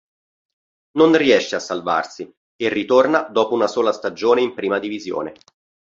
Non riesce a salvarsi e ritorna dopo una sola stagione in Prima Divisione.